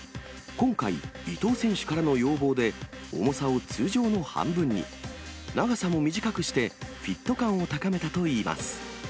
今回、伊藤選手からの要望で、重さを通常の半分に、長さも短くしてフィット感を高めたといいます。